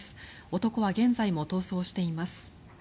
男は現在も逃走しています。